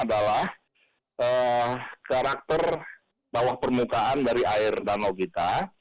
adalah karakter bawah permukaan dari air danau kita